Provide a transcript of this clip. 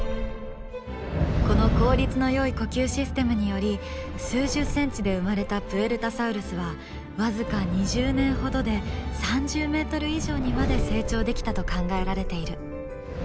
この効率のよい呼吸システムにより数十センチで生まれたプエルタサウルスは僅か２０年ほどで３０ｍ以上にまで成長できたと考えられている。